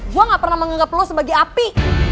gue gak pernah menganggap lo sebagai api